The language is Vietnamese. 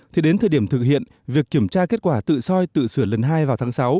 thì đến thời điểm thực hiện việc kiểm tra kết quả tự soi tự sửa lần hai vào tháng sáu